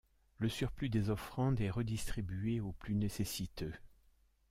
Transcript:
Le surplus des offrandes est redistribué aux plus nécessiteux.